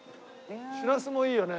しらすもいいよね。